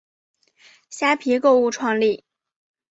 虾皮购物创立。